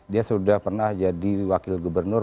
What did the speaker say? dia sudah pernah jadi wakil gubernur